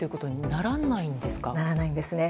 ならないんですね。